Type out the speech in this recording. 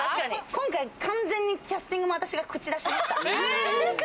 今回、完全にキャスティングも私が口出しました。